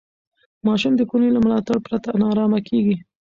ماشوم د کورنۍ له ملاتړ پرته نارامه کېږي.